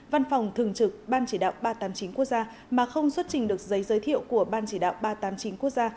văn phòng thường trực ban chỉ đạo ba trăm tám mươi chín quốc gia mà không xuất trình được giấy giới thiệu của ban chỉ đạo ba trăm tám mươi chín quốc gia